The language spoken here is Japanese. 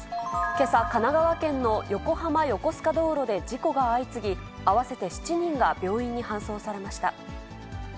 けさ、神奈川県の横浜横須賀道路で事故が相次ぎ、合わせて７人が病院に搬送されました。